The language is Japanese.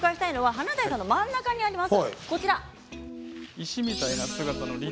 華大さんの真ん中にあります。